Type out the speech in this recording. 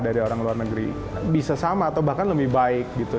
karena orang luar negeri bisa sama atau bahkan lebih baik gitu